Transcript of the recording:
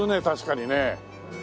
確かにね。